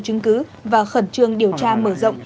chứng cứ và khẩn trương điều tra mở rộng